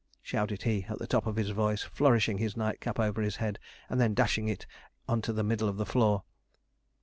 "' shouted he, at the top of his voice, flourishing his nightcap over his head, and then dashing it on to the middle of the floor.